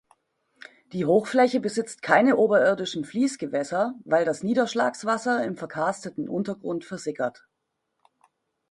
Die Hochfläche besitzt keine oberirdischen Fließgewässer, weil das Niederschlagswasser im verkarsteten Untergrund versickert.